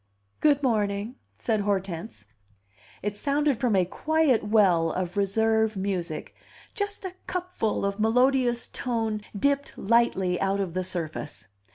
"Good morning," said Hortense. It sounded from a quiet well of reserve music; just a cupful of melodious tone dipped lightly out of the surface.